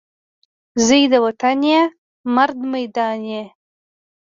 زوی د وطن یې ، مرد میدان یې